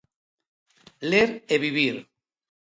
Ler e vivir.